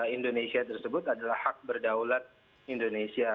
indonesia tersebut adalah hak berdaulat indonesia